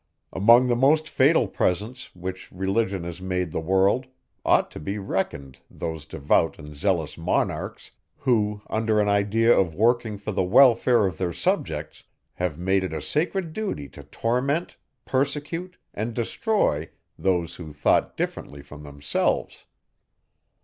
Among the most fatal presents, which religion has made the world, ought to be reckoned those devout and zealous monarchs, who, under an idea of working for the welfare of their subjects, have made it a sacred duty to torment, persecute, and destroy those, who thought differently from themselves.